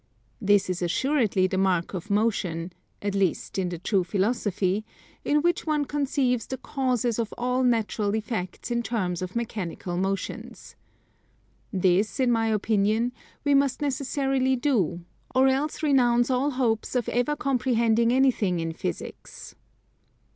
This is assuredly the mark of motion, at least in the true Philosophy, in which one conceives the causes of all natural effects in terms of mechanical motions. This, in my opinion, we must necessarily do, or else renounce all hopes of ever comprehending anything in Physics.